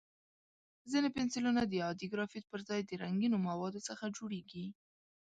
ځینې پنسلونه د عادي ګرافیت پر ځای د رنګینو موادو څخه جوړېږي.